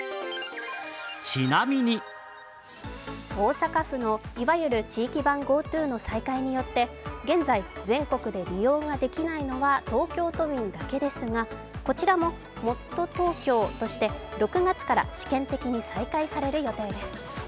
大阪府の、いわゆる地域版ＧｏＴｏの再開によって現在、全国で利用ができないのは東京都民だけですがこちらも、もっとＴｏｋｙｏとして６月から試験的に再開される予定です。